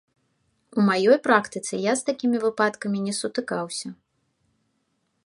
У маёй практыцы я з такімі выпадкамі не сутыкаўся.